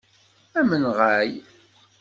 Amenɣay!